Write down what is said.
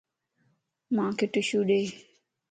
مانک ٽشو ڏي